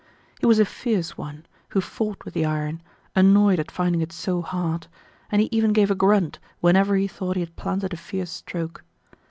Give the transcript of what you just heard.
He was a fierce one, who fought with the iron, annoyed at finding it so hard, and he even gave a grunt whenever he thought he had planted a fierce stroke.